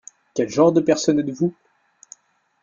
Quel genre de personne êtes-vous ?